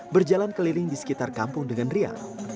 berjalan keliling di sekitar kampung dengan riang